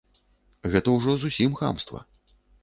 Гэта ўжо зусім хамства.